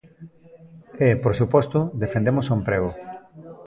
E, por suposto, defendemos o emprego.